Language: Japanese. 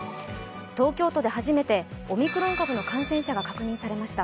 東京都で初めてオミクロン株の感染者が確認されました。